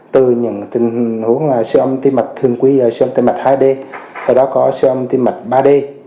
từ những tình huống siêu âm tim mạch thường quý siêu âm tim mạch hai d thời đó có siêu âm tim mạch ba d